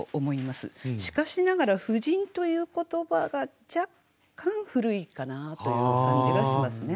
しかしながら「婦人」という言葉が若干古いかなという感じがしますね。